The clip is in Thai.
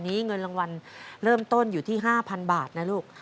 เงินรางวัลเริ่มต้นอยู่ที่๕๐๐บาทนะลูก